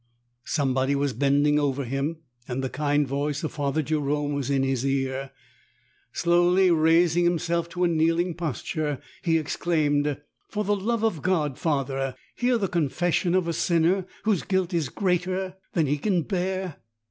Somebody was bending over him, and the kind voice of Father Jerome was in his ear. Slowly raising himself to a kneeling posture, he exclaimed, 'Tor the love of God, Father, hear the confession of a sinner whose guilt is greater than he can bear